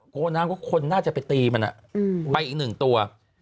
โกน้ำก็คนน่าจะไปตีมันอ่ะไปอีกหนึ่งตัว